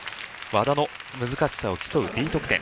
技の難しさを競うＤ得点。